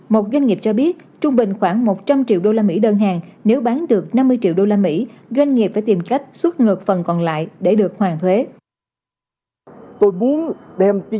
một doanh nghiệp cho biết trung bình khoảng một trăm linh triệu đô la mỹ đơn hàng nếu bán được năm mươi triệu đô la mỹ